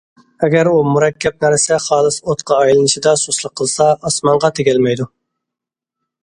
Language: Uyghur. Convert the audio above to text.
ئەگەر ئۇ مۇرەككەپ نەرسە خالىس ئوتقا ئايلىنىشىدا سۇسلۇق قىلسا، ئاسمانغا تېگەلمەيدۇ.